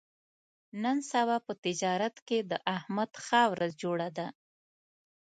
نن سبا په تجارت کې د احمد ښه ورځ جوړه ده.